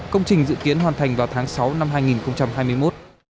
công trình dự kiến hoàn thành vào tháng sáu năm hai nghìn hai mươi một